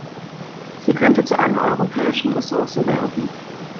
Sie könnte zu einer europäischen Ressource werden.